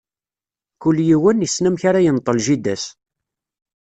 Kul yiwen, issen amek ara yenṭel jida-s.